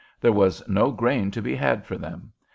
There was no grain to be had for them.